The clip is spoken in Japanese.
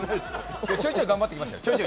いや、ちょいちょい頑張ってきました。